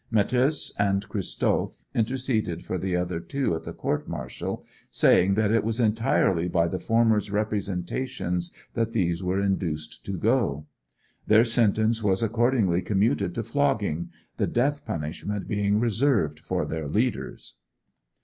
Matthäus and Christoph interceded for the other two at the court martial, saying that it was entirely by the former's representations that these were induced to go. Their sentence was accordingly commuted to flogging, the death punishment being reserved for their leaders.